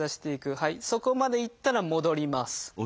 そこまで行ったら戻ります。